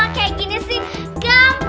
ayu yang lain perhatiin